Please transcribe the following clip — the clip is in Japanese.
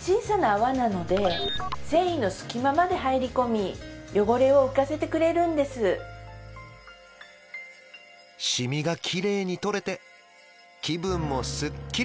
小さな泡なので繊維の隙間まで入り込み汚れを浮かせてくれるんですシミがきれいにとれて気分もスッキリ！